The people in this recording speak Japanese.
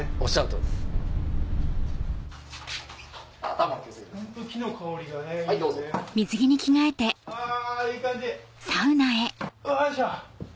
おいしょ！